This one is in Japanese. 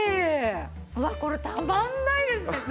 うわっこれたまらないですね。